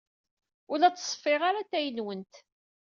Ur la ttṣeffiɣ ara atay-nwent.